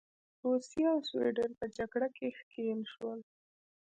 روسیې او سوېډن په جګړه کې ښکیل شول.